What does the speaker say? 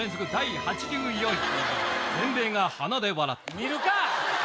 見るか！